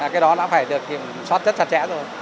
cái đó đã phải được kiểm soát rất sạch sẽ rồi